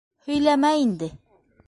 - Һөйләмә инде.